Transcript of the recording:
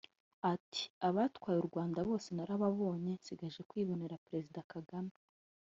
Ati “Abatwaye u Rwanda bose narababonye nsigaje kwibonera Perezida Kagame